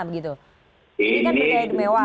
ini kan bergaya demewa